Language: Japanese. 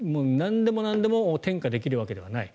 なんでも転嫁できるわけではない。